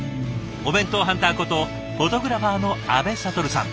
お弁当ハンターことフォトグラファーの阿部了さん。